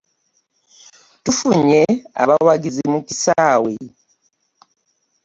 Tufunywwe abawagizi mu kisaawe .